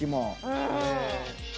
うん。